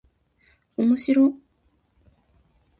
おもしろっ